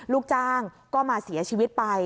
ลูกจ้างก็มาเสียชีวิตไป